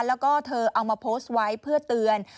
แล้วก็เธอเอามาโพสต์ไว้เพื่อเตือน